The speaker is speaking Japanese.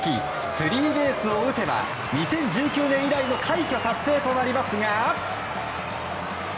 スリーベースを打てば２０１９年以来の快挙達成となりますが。